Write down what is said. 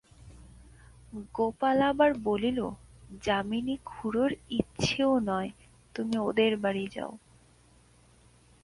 গোপাল আবার বলিল, যামিনী খুড়োর ইচ্ছেও নয় তুমি ওদের বাড়ি যাও।